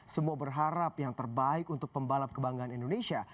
semua berharap yang terbaik untuk pembalap kebanggaan indonesia